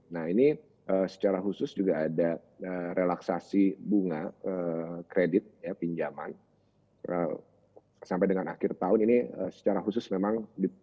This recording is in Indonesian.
nah ini secara khusus juga ada relaksasi bunga kredit pinjaman sampai dengan akhir tahun ini secara khusus memang